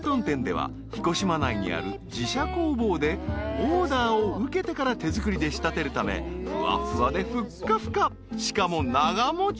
店では彦島内にある自社工房でオーダーを受けてから手作りで仕立てるためふわっふわでふっかふかしかも長持ち］